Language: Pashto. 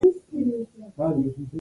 د سولي لپاره مظاهره ده.